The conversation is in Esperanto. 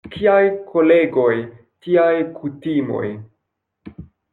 Kiaj kolegoj, tiaj kutimoj.